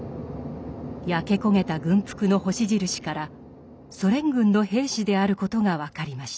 焼け焦げた軍服の星印からソ連軍の兵士であることが分かりました。